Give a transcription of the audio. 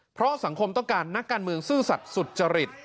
เพราะสังคมต้องการนักการเมืองซื่อสัตว์สุจริต